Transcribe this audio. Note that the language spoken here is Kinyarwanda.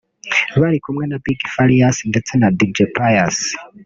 bari kumwe na Big Farious ndetse na Dj Pius